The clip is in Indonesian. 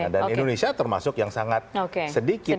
dan indonesia termasuk yang sangat sedikit